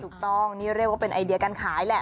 ถูกต้องนี่เรียกว่าเป็นไอเดียการขายแหละ